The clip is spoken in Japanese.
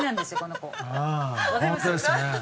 ああ本当ですね。